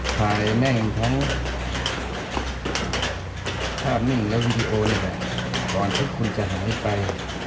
ถ่ายแม่งทั้งภาพนึงและวิดีโอเนี่ยก่อนที่คุณจะหายไป